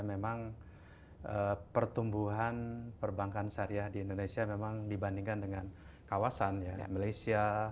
memang pertumbuhan perbankan syariah di indonesia memang dibandingkan dengan kawasan malaysia